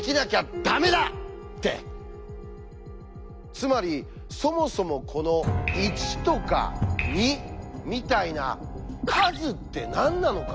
つまりそもそもこの「１」とか「２」みたいな数って何なのか？